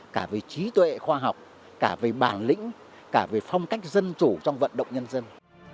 cả về trí tuệ khoa học cả về bản lĩnh cả về phong cách dân chủ trong vận động nhân dân